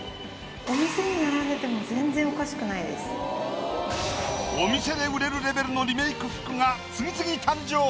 お店で売れるレベルのリメイク服が次々誕生。